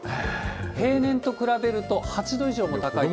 平年と比べると、８度以上も高いと。